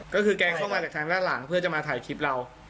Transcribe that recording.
ก็คือแกเข้ามาจากทางด้านหลังเพื่อจะมาถ่ายคลิปเรา